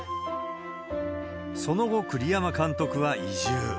その後、栗山監督は移住。